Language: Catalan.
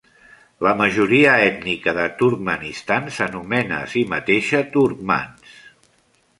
La majoria ètnica de Turkmenistan s'anomena a si mateixa turcmans.